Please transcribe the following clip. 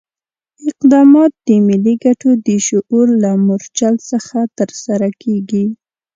اقدامات د ملي ګټو د شعور له مورچل څخه ترسره کېږي.